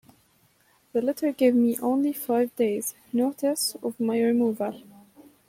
The letter gave me only five days' notice of my removal.